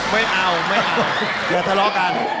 ไม่เอาเดี๋ยวทะเลาะกัน